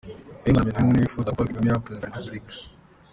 Kayumba na Bizimungu ntibifuzaga ko Paul Kagame yaba Perezida wa Repubulika